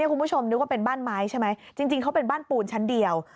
คุณผู้ชมนึกว่าเป็นบ้านไม้ใช่ไหมจริงเขาเป็นบ้านปูนชั้นเดียว